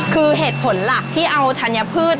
คือเหตุผลหลักที่เอาธัญพืช